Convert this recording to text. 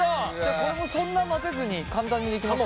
これもそんな混ぜずに簡単にできますか？